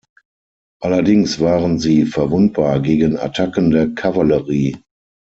Allerdings waren sie verwundbar gegen Attacken der Kavallerie.